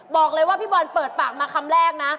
บอกเลยว่าพี่บอลเปิดปากมาคำแรกนะ